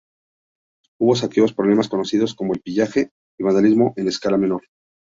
Hubo saqueos, problemas conocidos como el pillaje y vandalismo en escala menor.